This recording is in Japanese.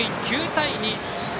９対２。